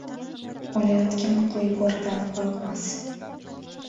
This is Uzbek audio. • O‘layotgan qo‘y bo‘ridan qo‘rqmas.